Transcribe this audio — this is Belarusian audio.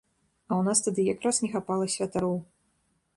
А ў нас тады якраз не хапала святароў.